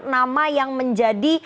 nama yang menjadi